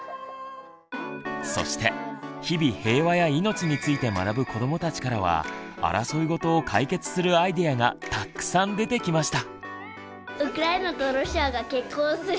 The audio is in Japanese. そして日々平和や命について学ぶ子どもたちからは争いごとを解決するアイデアがたくさん出てきました！